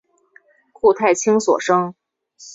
顾太清所生。